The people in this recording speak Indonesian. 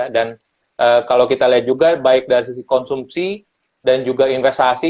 dan kalau kita lihat juga baik dari sisi konsumsi dan juga investasi